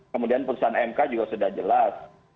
kemudian putusan mk juga sudah jelas